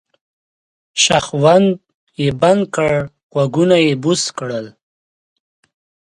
شخوند یې بند کړ غوږونه یې بوڅ کړل.